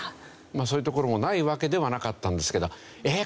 そういうところもないわけではなかったんですけど「えっ！